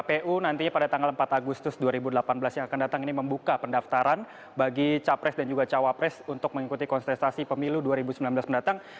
kpu nantinya pada tanggal empat agustus dua ribu delapan belas yang akan datang ini membuka pendaftaran bagi capres dan juga cawapres untuk mengikuti kontestasi pemilu dua ribu sembilan belas mendatang